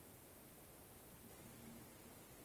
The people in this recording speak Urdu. سینیٹ آف پاکستان سے۔